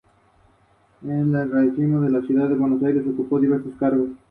Su isotipo representa la cruz de una tumba.